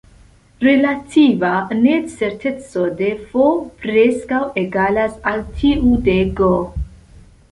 Relativa necerteco de "F" preskaŭ egalas al tiu de "G".